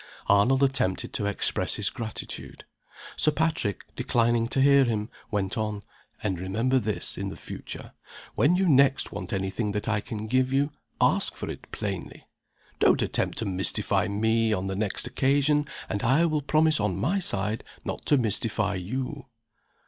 Arnold attempted to express his gratitude. Sir Patrick, declining to hear him, went on. "And remember this, in the future. When you next want any thing that I can give you, ask for it plainly. Don't attempt to mystify me on the next occasion, and I will promise, on my side, not to mystify _you.